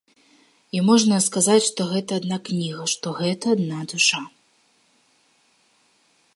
І можна сказаць, што гэта адна кніга, што гэта адна душа.